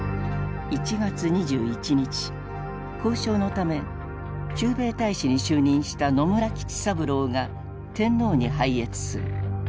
交渉のため駐米大使に就任した野村吉三郎が天皇に拝謁する。